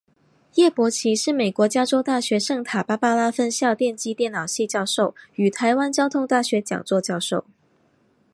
叶伯琦是美国加州大学圣塔芭芭拉分校电机电脑系教授与台湾交通大学讲座教授。